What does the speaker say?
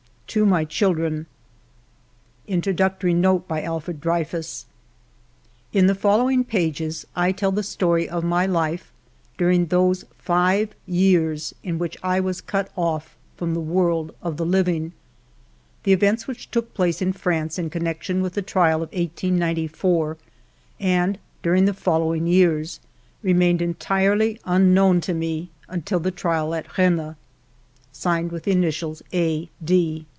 To My Children 27t;7G3 INTRODUCTORY NOTE In the following pages I tell the story of my life during those five years in which I was cut off from the world of the living. The events which took place in France in con nection with the trial of 1894, and during the following years, remained entirely unknown to me until the trial at Rennes. A.